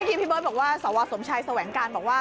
พี่เบิ้ลบอกว่าสวสมชายสวังการบอกว่า